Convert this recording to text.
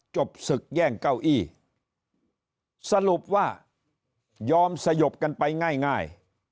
จบศึกแย่งเก้าอี้สรุปว่ายอมสยบกันไปง่าย